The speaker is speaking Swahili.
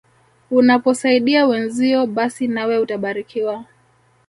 Unaposaidia wenzio basi nawe utabarikiwa.